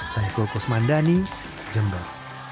saya koko smandani jember